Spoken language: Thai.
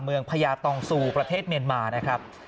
เมืองพญาตองซูประเทศเมนมานะครับ